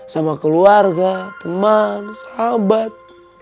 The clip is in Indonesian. sama keluarga teman sahabat